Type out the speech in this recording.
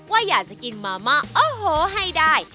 ว่าอยากจะกินมาม่าโอ้โหให้ได้